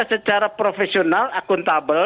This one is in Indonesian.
secara profesional akuntabel